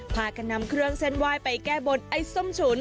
พากันนำเครื่องเส้นไหว้ไปแก้บนไอ้ส้มฉุน